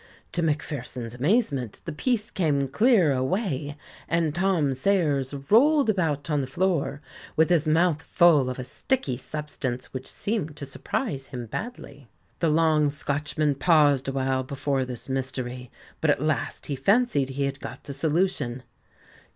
To Macpherson's amazement the piece came clear away, and Tom Sayers rolled about on the floor with his mouth full of a sticky substance which seemed to surprise him badly. The long Scotchman paused awhile before this mystery, but at last he fancied he had got the solution.